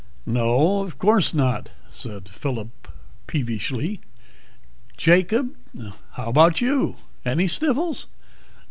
"No, of course not," said Phillip peevishly. "Jacob, how about you? Any sniffles?"